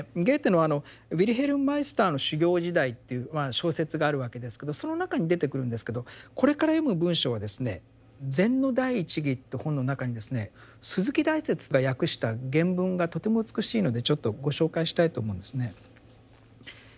ゲーテの「ヴィルヘルム・マイスターの修業時代」っていう小説があるわけですけどその中に出てくるんですけどこれから読む文章は「禅の第一義」って本の中にですね鈴木大拙が訳した原文がとても美しいのでちょっとご紹介したいと思うんですね。